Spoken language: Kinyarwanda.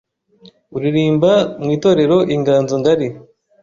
uririmba mu itorero Inganzo Ngari